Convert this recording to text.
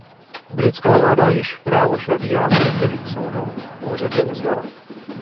Britská vláda již právo šaríja u některých soudů úředně uznala.